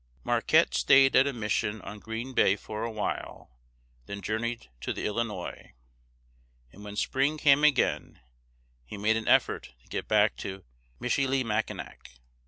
Marquette staid at a mission on Green Bay for a while, then journeyed to the Illinois, and when spring came again, he made an effort to get back to Mich i li mack´i nac.